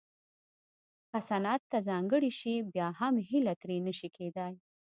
که صنعت ته ځانګړې شي بیا هم هیله ترې نه شي کېدای